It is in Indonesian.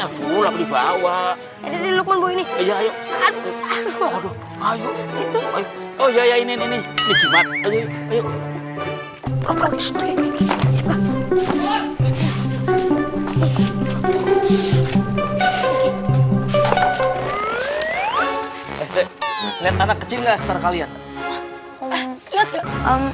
mie gugup dibawa diin luo ini decir badan era kecil kecil belakang